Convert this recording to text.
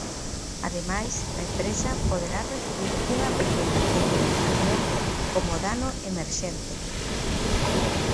Ademais, a empresa poderá recibir unha pequena indemnización como "dano emerxente".